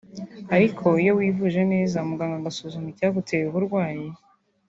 ariko iyo wivuje neza muganga agasuzuma icyaguteye uburwayi